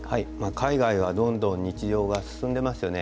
海外はどんどん日常が進んでますよね。